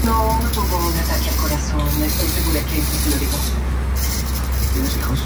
La tanqueta de Carden Loyd fue el prototipo para el Universal Carrier.